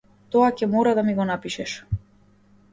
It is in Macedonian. Тоа ќе мора да ми го напишеш.